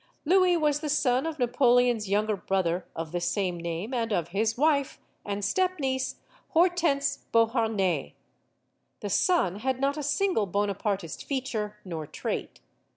Louis was the son of Napoleon's younger brother of the same name and of his wife and step niece Hortense Beauharnais. The son had not a single Bon apartist feature nor trait.